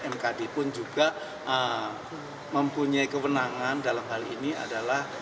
mkd pun juga mempunyai kewenangan dalam hal ini adalah